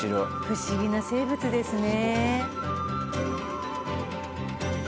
不思議な生物ですね。